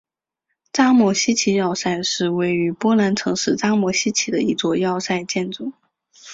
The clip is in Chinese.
扎莫希奇要塞是位于波兰城市扎莫希奇的一座要塞建筑。